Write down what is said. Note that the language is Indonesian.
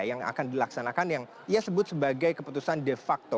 yang akan dilaksanakan yang ia sebut sebagai keputusan de facto